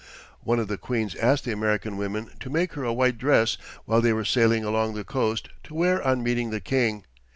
One of the queens asked the American women to make her a white dress while they were sailing along the coast, to wear on meeting the King.